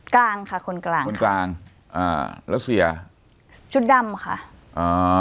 กลางค่ะคนกลางคนกลางอ่าแล้วเสียชุดดำค่ะอ่า